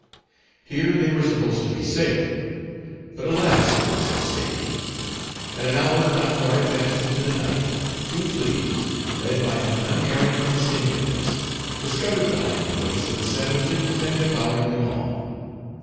Here they were supposed to be safe. But alas for such safety! At an hour not far advanced into the night, two plebes, led by an unerring instinctiveness, discovered the hiding place of the sandwiches and devoured them all.